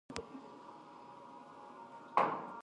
دا زموږ ګډ کور دی.